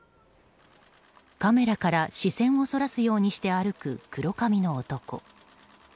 カメラから視線をそらすようにして歩く黒髪の男。